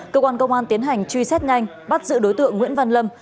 cơ quan công an tiến hành truy xét nhanh bắt giữ đối tượng nguyễn văn lâm